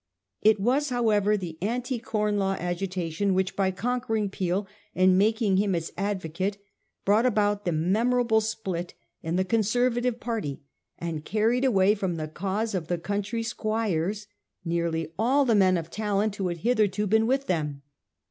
It was, however, the Anti Corn Law agitation which, by conquering Peel and making him its advocate, brought about the memorable split in the Conserva tive party, and carried away from the cause of the country squires nearly all the men of talent who had hitherto been with them.